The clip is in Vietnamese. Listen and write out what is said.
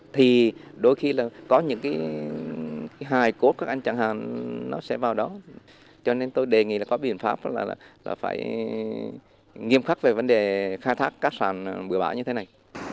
thì đôi khi là có những cái hài cốt các anh chẳng hạn nó sẽ vào đó cho nên tôi đề nghị là có biện pháp là phải nghiêm khắc về vấn đề khai thác cát sản bừa bãi như thế này